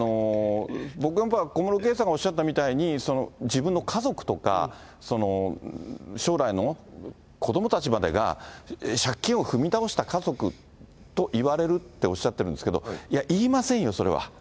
僕は小室圭さんがおっしゃったみたいに、自分の家族とか、将来の子どもたちまでが、借金を踏み倒した家族と言われるっておっしゃってるんですけど、言いませんよ、それは。